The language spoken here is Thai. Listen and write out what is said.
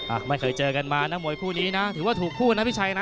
อ่ะไม่เคยเจอกันมานะมวยคู่นี้นะถือว่าถูกคู่นะพี่ชัยนะ